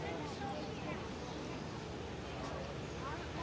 สวัสดีครับทุกคน